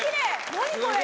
何これ！